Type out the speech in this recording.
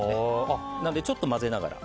なので、ちょっと混ぜながら。